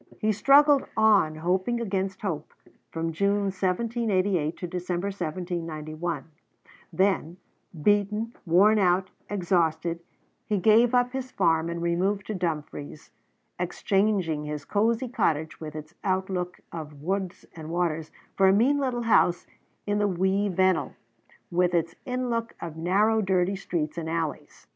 He struggled on, hoping against hope, from June 1788 to December 1791; then, beaten, worn out, exhausted, he gave up his farm and removed to Dumfries, exchanging his cozy cottage with its outlook of woods and waters for a mean little house in the Wee Vennel, with its inlook of narrow dirty streets and alleys.